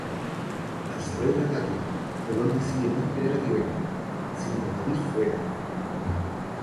Al saber del ataque, Colón decide no esperar a que vengan, sino combatir fuera.